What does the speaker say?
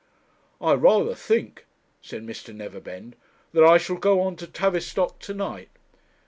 'I rather think,' said Mr. Neverbend, 'that I shall go on to Tavistock to night.'